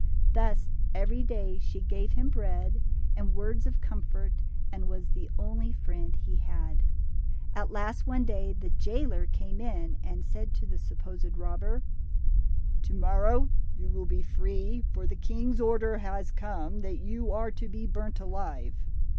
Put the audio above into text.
Thus every day she gave him bread, and words of comfort, and was the only friend he had. At last, one day, the jailer came in and said to the supposed robber, To morrow you will be free, for the king's order has come that you are to be burnt alive."